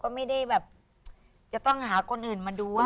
ก็ไม่ได้แบบจะต้องหาคนอื่นมาดู